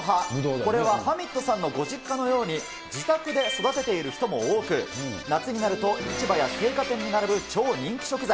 これはハミッドさんのご実家のように、自宅で育てている人も多く、夏になると市場や青果店に並ぶ超人気食材。